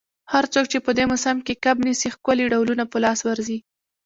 هر څوک چي په دې موسم کي کب نیسي، ښکلي ډولونه په لاس ورځي.